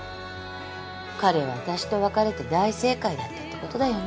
彼私と別れて大正解だったってことだよね。